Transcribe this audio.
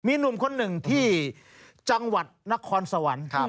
มีหนุ่มคนหนึ่งที่จังหวัดนครสวรรค์